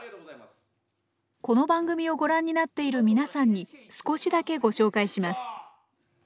この番組をごらんになっているみなさんに少しだけご紹介します。